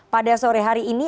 pada sore hari ini